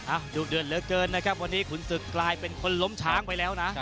ดุเดือดเหลือเกินนะครับวันนี้ขุนศึกกลายเป็นคนล้มช้างไปแล้วนะ